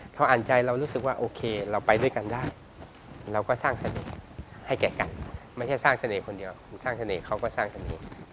พออ่านใจเรารู้สึกว่าโอเคเราไปด้วยกันได้เราก็สร้างเสน่ห์ให้แก่กันไม่ใช่สร้างเสน่ห์คนเดียวสร้างเสน่ห์เขาก็สร้างเสน่ห์